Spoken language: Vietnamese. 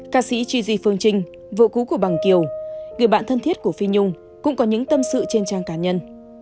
ca sĩ chi di phương trinh vợ cú của bằng kiều người bạn thân thiết của phi nhung cũng có những tâm sự trên trang cá nhân